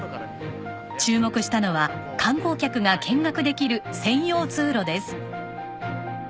注目したのは観光客が見学できる専用通路です。